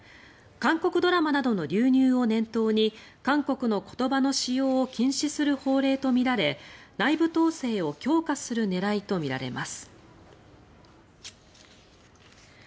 韓国ドラマなどの流入を念頭に韓国の言葉の使用を禁止する法令とみられ内部統制を強化する狙いとみられます。